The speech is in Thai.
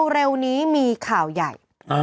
เร็วนี้มีข่าวใหญ่